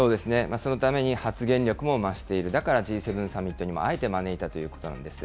そのために発言力も増している、だからＧ７サミットにもあえて招いたということなんです。